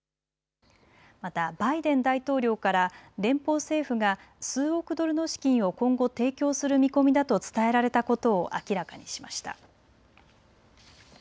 またバイデン大統領から連邦政府が数億ドルの資金を今後、提供する見込みだと伝えられたことを明らかにしました。